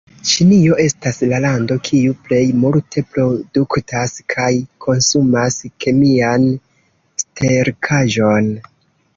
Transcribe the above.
Ĉinio estas la lando kiu plej multe produktas kaj konsumas kemian sterkaĵon.